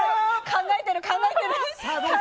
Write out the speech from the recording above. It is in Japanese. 考えてる、考えてる。